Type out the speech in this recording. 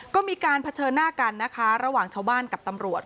ก็มีการเผชิญหน้ากันนะคะระหว่างชาวบ้านกับตำรวจ